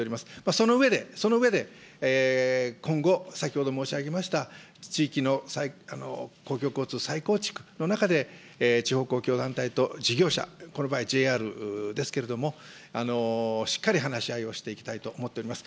その上で、その上で、今後、先ほど申し上げました地域の公共交通再構築の中で地方公共団体と事業者、この場合、ＪＲですけれども、しっかり話し合いをしていきたいと思っております。